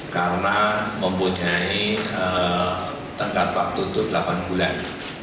karena mempunyai tanggal waktu untuk delapan bulan